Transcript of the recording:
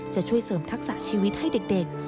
จะช่วยเสริมทักษะชีวิตให้เด็ก